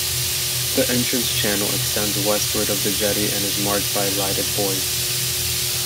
The entrance channel extends westward of the jetty and is marked by lighted buoys.